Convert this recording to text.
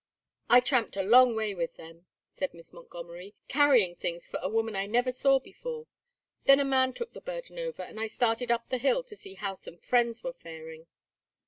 "I tramped a long way with them," said Miss Montgomery, "carrying things for a woman I never saw before. Then a man took the burden over and I started up the hill to see how some friends were faring."